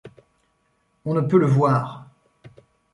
On ne peut le voir !